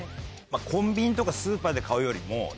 コンビニとかスーパーで買うよりも。